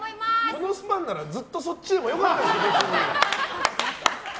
このスパンならずっとそっちでもよかったよ別に。